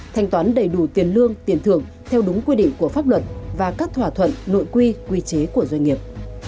thanh toán đầy đủ tiền lương tiền thưởng theo đúng quy định của pháp luật và các thỏa thuận nội quy quy chế của doanh nghiệp